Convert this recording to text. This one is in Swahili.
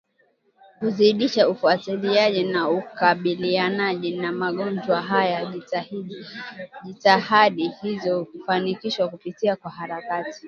kuzidisha ufuatiliaji na ukabilianaji na magonjwa haya Jitihada hizo hufanikishwa kupitia kwa harakati